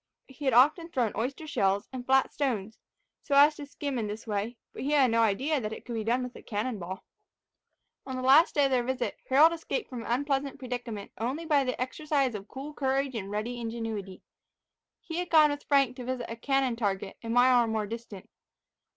He had often thrown oyster shells, and flat stones, so as to skim in this way, but he had no idea that it could be done with a cannon ball. On the last day of their visit, Harold escaped from an unpleasant predicament, only by the exercise of cool courage and ready ingenuity. He had gone with Frank to visit a cannon target, a mile or more distant.